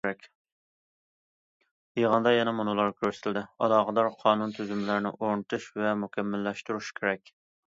يىغىندا يەنە مۇنۇلار كۆرسىتىلدى: ئالاقىدار قانۇن تۈزۈملەرنى ئورنىتىش ۋە مۇكەممەللەشتۈرۈش كېرەك.